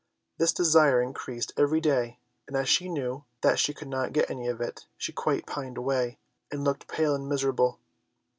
This desire increased every day, and as she knew that she could not get any of it, she quite pined away, and looked pale and miserable.